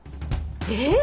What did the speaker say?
えっ！